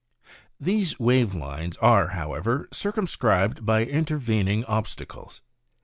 These wave lines are, however, circumscribed by intervening obstacles.